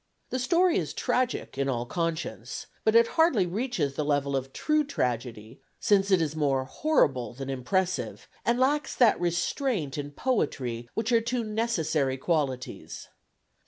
The story is tragic in all conscience, but it hardly reaches the level of true tragedy, since it is more horrible than impressive, and lacks that restraint and poetry which are two necessary qualities.